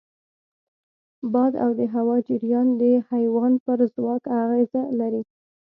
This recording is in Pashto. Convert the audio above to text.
باد او د هوا جریان د حیوان پر ځواک اغېز لري.